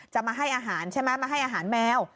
จะมาให้อาหารใช่ไหมมาให้อาหารแมว